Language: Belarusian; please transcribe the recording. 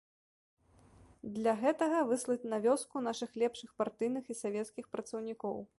Для гэтага выслаць на вёску нашых лепшых партыйных і савецкіх працаўнікоў.